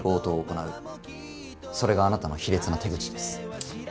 それがあなたの卑劣な手口です。